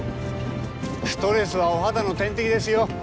ストレスはお肌の天敵ですよ。